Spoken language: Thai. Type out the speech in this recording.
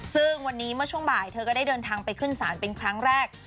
ซึ่งวันนี้เมื่อช่วงบ่ายเธอก็ได้เดินทางไปขึ้นศาลเป็นครั้งแรก